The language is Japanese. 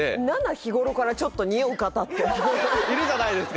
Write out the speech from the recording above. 日頃からちょっと臭う方っているじゃないですか